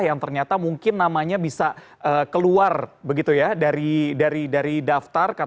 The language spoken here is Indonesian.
yang ternyata mungkin namanya bisa keluar begitu ya dari daftar